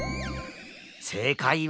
せいかいは？